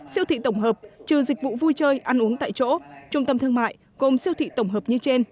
siêu thị tổng hợp trừ dịch vụ vui chơi ăn uống tại chỗ trung tâm thương mại gồm siêu thị tổng hợp như trên